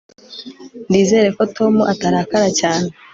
nizere ko tom atarakara cyane